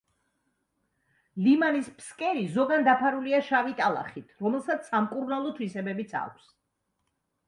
ლიმანის ფსკერი ზოგან დაფარულია შავი ტალახით, რომელსაც სამკურნალო თვისებებიც აქვს.